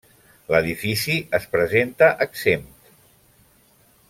L'edifici es presenta exempt.